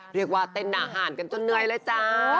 เรียกว่าเต้นน่าห่านจะน่าเหนื่อยเลยจ้า